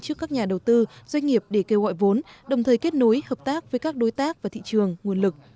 trước các nhà đầu tư doanh nghiệp để kêu gọi vốn đồng thời kết nối hợp tác với các đối tác và thị trường nguồn lực